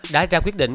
đã ra quyết định